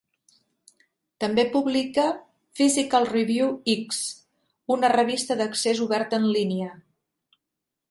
També publica "Physical Review X", una revista d'accés obert en línia.